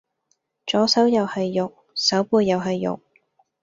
左手又係肉，手背又係肉